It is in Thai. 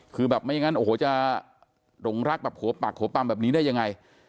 คือแบบไม่งั้นโอ้โหจะหลงรักแบบหัวปักหัวปำแบบนี้ได้ยังไง